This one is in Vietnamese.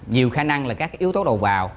nhiều khả năng là các cái yếu tố đồ vào